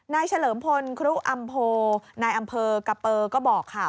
เฉลิมพลครุอำโพนายอำเภอกะเปอร์ก็บอกค่ะ